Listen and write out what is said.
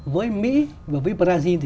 với mỹ và với brazil thì